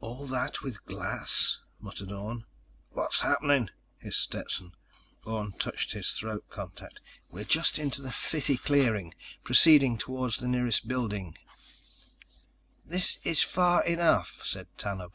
"All that with glass," murmured Orne. "What's happening?" hissed Stetson. Orne touched his throat contact. "We're just into the city clearing, proceeding toward the nearest building." "This is far enough," said Tanub.